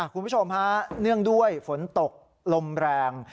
คุณผู้ชมฮะเนื่องด้วยฝนตกลมแรง